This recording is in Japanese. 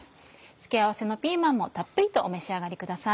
付け合わせのピーマンもたっぷりとお召し上がりください。